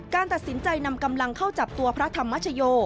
การตัดสินใจนำกำลังเข้าจับตัวพระธรรมชโย